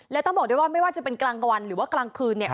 และต้องบอกด้วยว่าไม่ว่าจะเป็นกลางวันหรือว่ากลางคืนเนี่ย